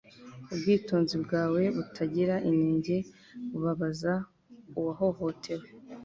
Ubwitonzi bwawe butagira inenge bubabaza uwahohotewe